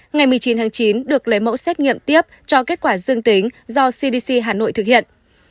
ngày một mươi chín tháng chín được lấy mẫu xét nghiệm tiếp cho kết quả dương tính do cdc hà nội thực hiện